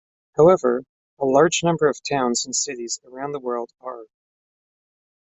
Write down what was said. However, a large number of towns and cities around the world are.